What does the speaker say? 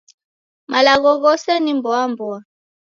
Malagho ghose ni mboa mboa.